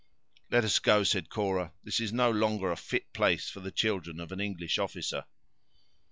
"Let us go," said Cora; "this is no longer a fit place for the children of an English officer."